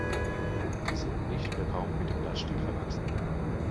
Sie sind nicht oder kaum mit dem Blattstiel verwachsen.